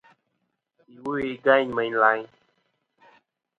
Iwo-i gayn meyn layn.